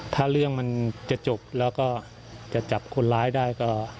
ถ้าเรื่องมันจะจบแล้วก็จะจับคนร้ายได้ก็